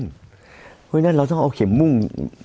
เพราะฉะนั้นเราต้องเอาเข็มมุ่ง